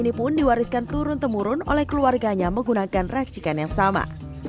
ini pun diwariskan turun temurun oleh keluarganya menggunakan racikan yang sama